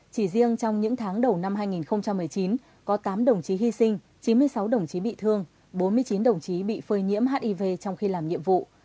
chỉ riêng trong những tháng đầu năm hai nghìn một mươi chín có tám đồng chí hy sinh chín mươi sáu đồng chí bị thương bốn mươi chín đồng chí bị phơi nhiễm hiv trong khi làm nhiệm vụ